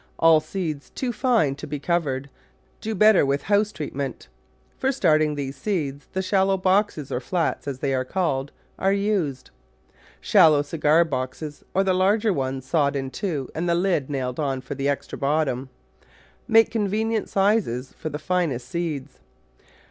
All seeds too fine to be covered do better with house treatment. For starting these the shallow boxes or flats, as they are called, are used. Shallow cigar boxes, or the larger ones sawed in two and the lid nailed on for the extra bottom, make convenient sizes for the finest seeds.